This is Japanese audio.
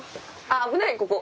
危ないここ！